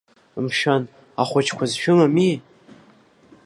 Мшәан, ахәыҷқәа зшәымами?